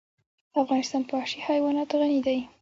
افغانستان په وحشي حیوانات غني دی.